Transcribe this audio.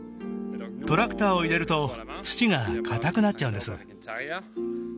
トラクターを入れると土がかたくなっちゃうんです